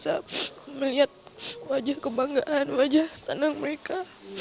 saya tidak bisa melihat wajah kebanggaan wajah senang mereka